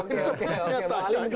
ini sebenarnya pak ali